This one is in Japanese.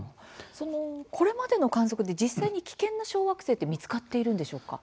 これまでの観測で実際に危険な小惑星って見つかっているんでしょうか？